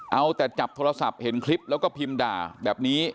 เอาแต่จับโทรศัพท์เห็นคลิปแล้วก็พิมพ์ด่าแบบนี้